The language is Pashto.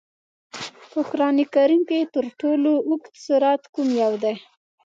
په قرآن کریم کې تر ټولو لوږد سورت کوم یو دی؟